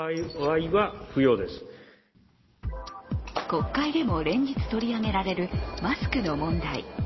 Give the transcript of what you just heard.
国会でも連日取り上げられるマスクの問題。